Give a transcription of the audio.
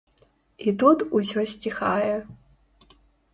І тут усё сціхае.